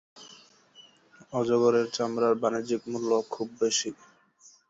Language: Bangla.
অজগরের চামড়ার বাণিজ্যিক মূল্য খুব বেশি।